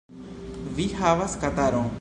Vi havas kataron.